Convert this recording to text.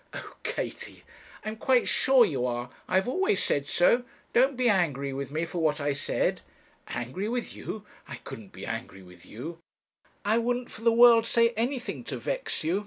'Oh! Katie.' 'I am quite sure you are. I have always said so; don't be angry with me for what I said.' 'Angry with you! I couldn't be angry with you.' 'I wouldn't, for the world, say anything to vex you.